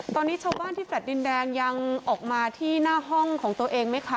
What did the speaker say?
ตอนนี้ชาวบ้านที่แฟลต์ดินแดงยังออกมาที่หน้าห้องของตัวเองไหมคะ